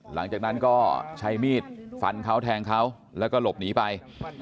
หลังจากนั้นก็ใช้มีดฟันเขาแทงเขาแล้วก็หลบหนีไป